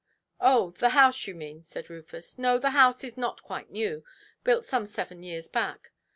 "Oh, the house you mean", said Rufus. "No, the house is not quite new; built some seven years back".